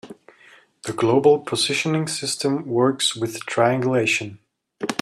The global positioning system works with triangulation.